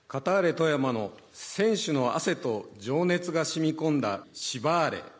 富山の選手の汗と情熱がしみこんだ芝レ！